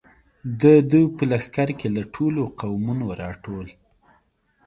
د ده په لښکر کې له ټولو قومونو را ټول.